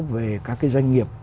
về các cái doanh nghiệp